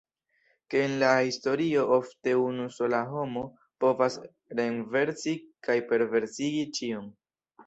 Ke en la historio ofte unu sola homo povas renversi kaj perversigi ĉion.